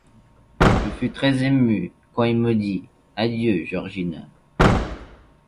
Je fus très émue, quand il me dit : Adieu, Georgina.